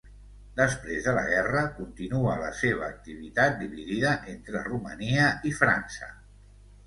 Després de la guerra, continua la seva activitat dividida entre Romania i França.